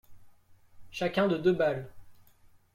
Chacun de deux balles.